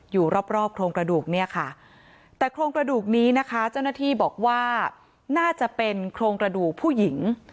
อยู่รอบรอบโครงกระดูกเนี่ยค่ะแต่โครงกระดูกนี้นะคะเจ้าหน้าที่บอกว่าน่าจะเป็นโครงกระดูกผู้หญิง